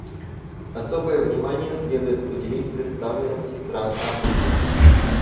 Особое внимание следует уделить представленности стран Африки.